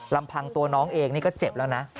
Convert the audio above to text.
ลำพังตัวน้องเองนี่ก็เจ็บแล้วนะ